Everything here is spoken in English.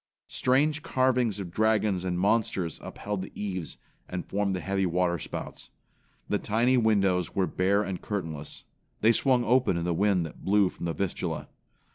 Strange carvings of dragons and monsters upheld the eaves and formed the heavy water spouts. The tiny, windows were bare and curtainless. They swung open in the wind that blew from the Vistula.